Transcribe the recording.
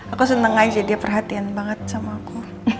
aku senang aja dia perhatian banget sama aku